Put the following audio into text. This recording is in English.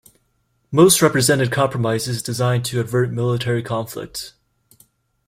Most represented compromises designed to avert military conflict.